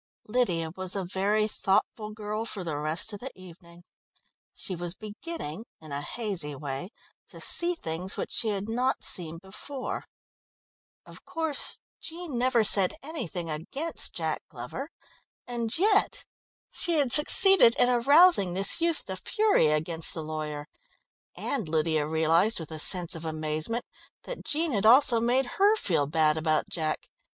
Lydia was a very thoughtful girl for the rest of the evening; she was beginning in a hazy way to see things which she had not seen before. Of course Jean never said anything against Jack Glover. And yet she had succeeded in arousing this youth to fury against the lawyer, and Lydia realised, with a sense of amazement, that Jean had also made her feel bad about Jack.